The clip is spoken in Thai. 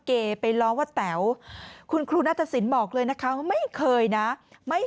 เกย์ไปล้อว่าแต๋วคุณครูณศศิลป์บอกเลยนะคะไม่เคยนะไม่